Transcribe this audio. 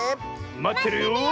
まってるよ！